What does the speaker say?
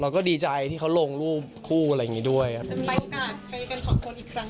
เราก็ดีใจที่เขาลงรูปคู่อะไรอย่างงี้ด้วยครับ